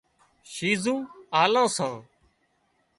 شِيزون آلان سان